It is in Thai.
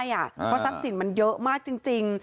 เพราะทรัพย์สินมันเยอะมากจริง